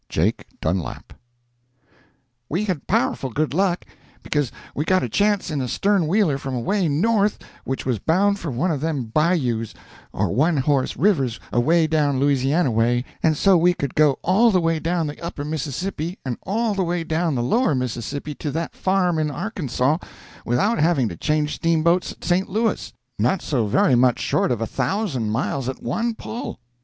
JAKE DUNLAP We had powerful good luck; because we got a chance in a stern wheeler from away North which was bound for one of them bayous or one horse rivers away down Louisiana way, and so we could go all the way down the Upper Mississippi and all the way down the Lower Mississippi to that farm in Arkansaw without having to change steamboats at St. Louis; not so very much short of a thousand miles at one pull.